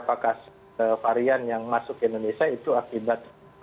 karena kita lihat beberapa varian yang masuk ke indonesia itu akibat masih lemahnya ya